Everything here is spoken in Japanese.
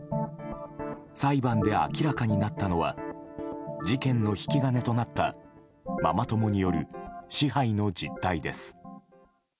裁判で明らかになったのは事件の引き金となったママ友による支配の実態です。